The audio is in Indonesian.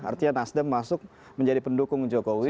artinya nasdem masuk menjadi pendukung jokowi